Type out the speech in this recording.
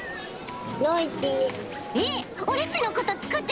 えっ！